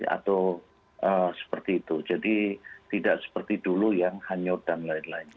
atau seperti itu jadi tidak seperti dulu yang hanyut dan lain lain